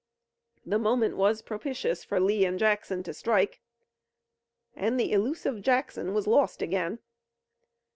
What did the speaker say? The moment was propitious for Lee and Jackson to strike, and the elusive Jackson was lost again.